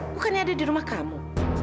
bukannya ada di rumah kamu